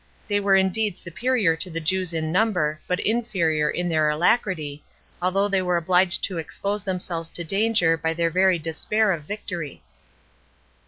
They were indeed superior to the Jews in number, but inferior in their alacrity, although they were obliged to expose themselves to danger by their very despair of victory.